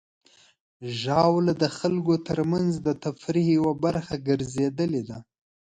ژاوله د خلکو ترمنځ د تفریح یوه برخه ګرځېدلې ده.